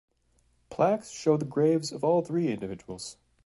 Plaques show the graves of all three individuals.